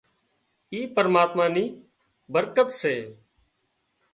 اِي پرماتما نِي برڪت سي